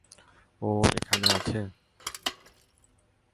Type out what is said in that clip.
ও এখানে আছে?